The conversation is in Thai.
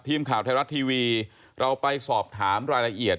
ทีมข่าวไทยรัฐทีวีเราไปสอบถามรายละเอียด